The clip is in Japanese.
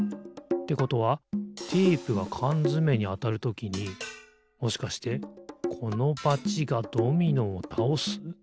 ってことはテープがかんづめにあたるときにもしかしてこのバチがドミノをたおす？